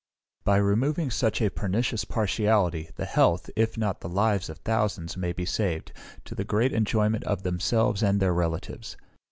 By removing such a pernicious partiality, the health, if not the lives of thousands, may be saved, to the great enjoyment of themselves and their relatives.